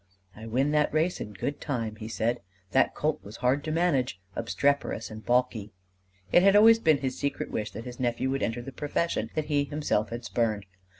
"I win that race in good time," he said. "That colt was hard to manage, obstreperous and balky." It had always been his secret wish that his nephew would enter the profession that he himself had spurned.